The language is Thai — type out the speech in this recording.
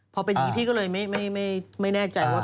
พอเป็นอย่างนี้พี่ก็เลยไม่แน่ใจว่า